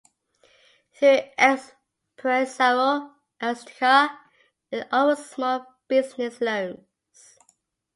Through Empresario Azteca it offers small business loans.